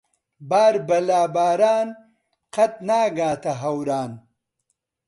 بار بە لاباران قەت ناگاتە ھەواران.